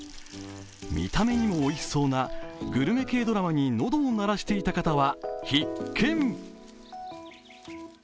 見た目にもおいしそうなグルメ系ドラマに喉を鳴らしていた方は必見。